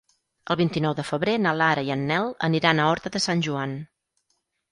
El vint-i-nou de febrer na Lara i en Nel aniran a Horta de Sant Joan.